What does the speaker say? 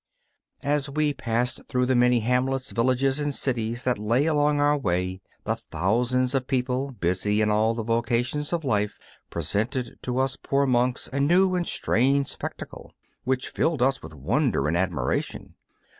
As we passed through the many hamlets, villages and cities that lay along our way, the thousands of people, busy in all the vocations of life, presented to us poor monks a new and strange spectacle, which filled us with wonder and admiration.